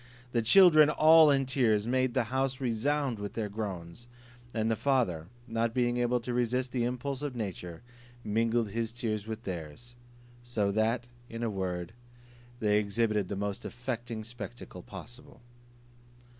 The children, all in tears, made the house resound with their groans; and the father, not being able to resist the impulse of nature, mingled his tears with theirs: so that, in a word, they exhibited the most affecting spectacle possible.